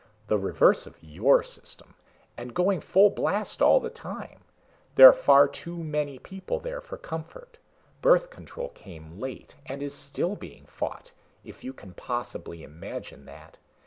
The reverse of your system, and going full blast all the time. There are far too many people there for comfort. Birth control came late and is still being fought if you can possibly imagine that.